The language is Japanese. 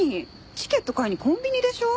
チケット買いにコンビニでしょ？